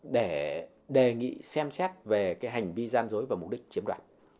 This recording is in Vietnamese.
để đề nghị xem xét về cái hành vi gian dối và mục đích chiếm đoạt